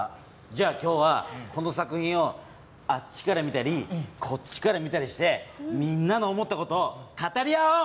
じゃあ今日はこの作品をあっちからみたりこっちからみたりしてみんなの思った事を語り合おう。